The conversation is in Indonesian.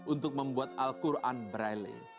untuk membuat al qayyum